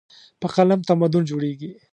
په قلم تمدن جوړېږي.